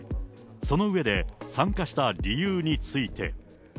その上で、参加した理由について。